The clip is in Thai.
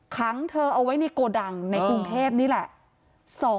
ขังเธอเอาไว้ในโกดังในกรุงเทพนี่แหละ